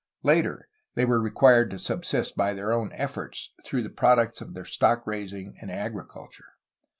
Later, they were required to subsist by their own efforts, through the products of their stock raising and agriculture.